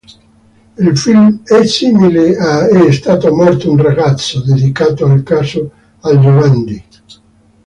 Il film è simile a "È stato morto un ragazzo" dedicato al Caso Aldrovandi.